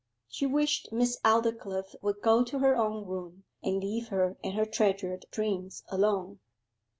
She wished Miss Aldclyffe would go to her own room, and leave her and her treasured dreams alone.